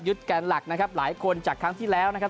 แกนหลักนะครับหลายคนจากครั้งที่แล้วนะครับ